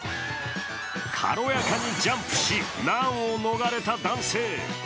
軽やかにジャンプし難を逃れた男性。